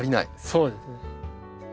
そうですね。